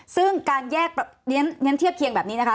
ซึ่งการแยกเรียนเทียบเคียงแบบนี้นะคะ